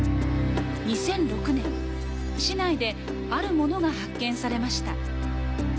２００６年、市内であるものが発見されました。